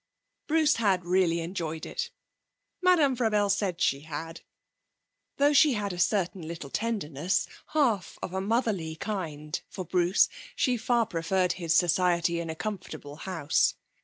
Bruce had really enjoyed it. Madame Frabelle said she had; though she had a certain little tenderness, half of a motherly kind, for Bruce, she far preferred his society in a comfortable house.